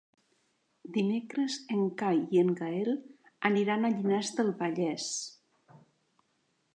Dimecres en Cai i en Gaël aniran a Llinars del Vallès.